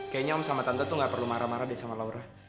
kayaknya om sama tante tuh gak perlu marah marah deh sama laura